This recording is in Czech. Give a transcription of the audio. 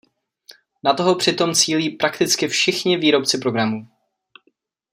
Na toho přitom cílí prakticky všichni výrobci programů.